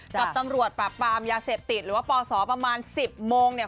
กับตำรวจปราบปรามยาเสพติดหรือว่าปศประมาณ๑๐โมงเนี่ย